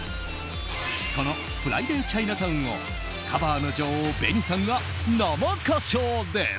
この「フライディ・チャイナタウン」をカバーの女王・ＢＥＮＩさんが生歌唱です。